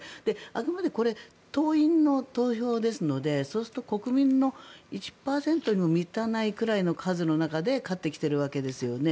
あくまでこれは党員の投票ですのでそうすると国民の１％にも満たないくらいの数の中で勝ってきてるわけですよね。